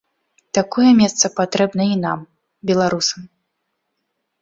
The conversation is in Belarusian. Такое месца патрэбна і нам, беларусам.